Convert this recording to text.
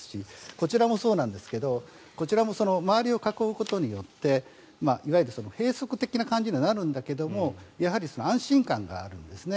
こちらもそうなんですがこちらも周りを囲うことによっていわゆる閉塞的な感じにはなるんだけどやはり安心感があるんですね。